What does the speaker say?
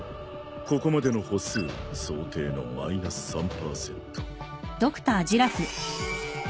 ここまでの歩数想定のマイナス３％。